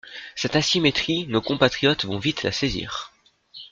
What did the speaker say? Cette asymétrie, nos compatriotes vont vite la saisir.